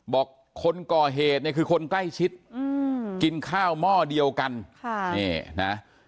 บอกคนก่อเหตุคือคนใกล้ชิดกินข้าวหม้อเดียวกัน